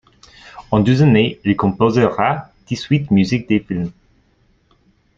En douze années, il composera dix-huit musiques de film.